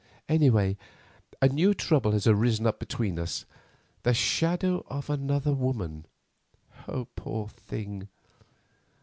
Any way, a new trouble has risen up between us, the shadow of another woman, poor thing.